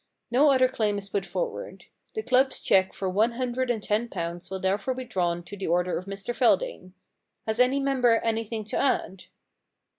No other claim is put forward. The club's cheque for one hundred and ten pounds will therefore be drawn to the order of Mr Feldane. Has any member anything to add